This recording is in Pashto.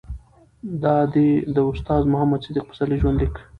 دا دي د استاد محمد صديق پسرلي ژوند ليک